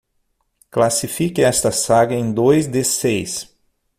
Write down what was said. Classifique esta saga em dois de seis.